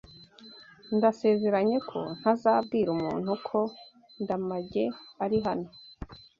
Ndasezeranye ko ntazabwira umuntu ko Ndamage ari hano.